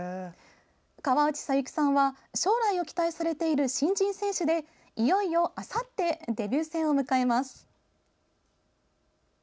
河内桜雪さんは将来を期待されている新人選手でいよいよ、あさってデビュー戦を迎えます。